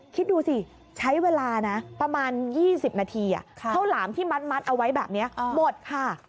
คิดดูสิใช้เวลานะประมาณ๒๐นาทีข้าวหลามที่มัดเอาไว้แบบนี้หมดค่ะ